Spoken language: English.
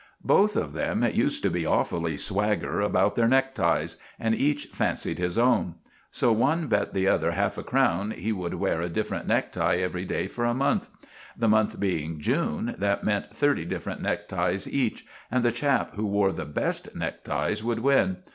Both of them used to be awfully swagger about their neckties, and each fancied his own. So one bet the other half a crown he would wear a different necktie every day for a month. The month being June, that meant thirty different neckties each, and the chap who wore the best neckties would win.